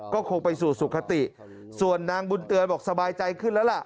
ก็คงไปสู่สุขติส่วนนางบุญเตือนบอกสบายใจขึ้นแล้วล่ะ